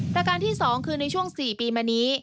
ประการที่๒คือในช่วง๔ปีมานี้